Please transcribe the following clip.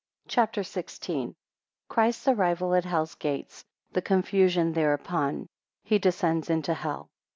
CHAPTER XVI. 1 Christ's arrival at hell gates; the confusion thereupon. 19 He descends into hell.